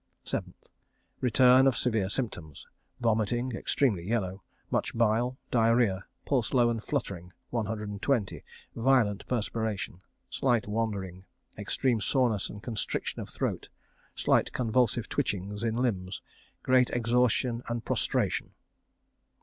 7th. Return of severe symptoms. Vomiting, extremely yellow, much bile. Diarrhoea. Pulse low and fluttering, 120. Violent perspiration. Slight wandering. Extreme soreness and constriction of throat. Slight convulsive twitchings in limbs. Great exhaustion and prostration.